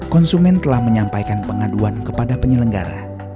konsumen telah menyampaikan pengaduan kepada penyelenggara